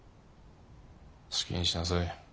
好きにしなさい。